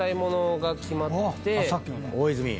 大泉。